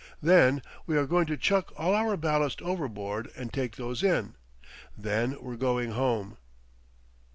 Then we are going to chuck all our ballast overboard and take those in. Then we're going home."